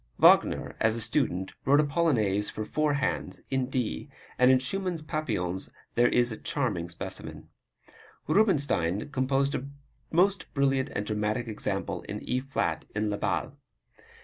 Wagner, as a student, wrote a Polonaise for four hands, in D, and in Schumann's Papillons there is a charming specimen. Rubinstein composed a most brilliant and dramatic example in E flat in Le Bal.